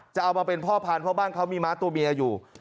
จะเอามาเป็นพ่อพันธุ์เพราะบ้านเขามีม้าตัวเมียอยู่